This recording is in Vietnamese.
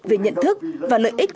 về nhận thức và lợi ích